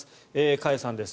加谷さんです。